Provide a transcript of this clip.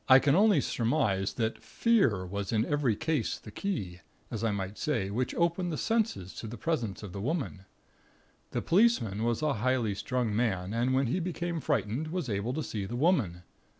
"I can only surmise that fear was in every case the key, as I might say, which opened the senses to the presence of the Woman. The policeman was a highly strung man, and when he became frightened, was able to see the Woman.